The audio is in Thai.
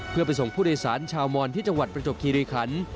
เพื่อไปส่งผู้โดยสารชาวมอนที่จังหวัดประจบคิริคัน